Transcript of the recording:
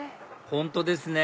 本当ですね